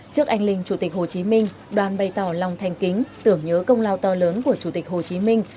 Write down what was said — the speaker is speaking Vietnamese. trước anh linh chủ tịch hồ chí minh đoàn bày tỏ lòng thanh kính tưởng nhớ công lao to lớn của chủ tịch hồ chí minh